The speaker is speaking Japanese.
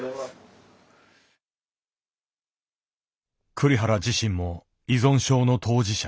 栗原自身も依存症の当事者。